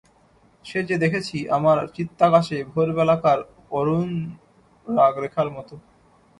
সে যে দেখেছি আমার চিত্তাকাশে ভোরবেলাকার অরুণরাগরেখার মতো।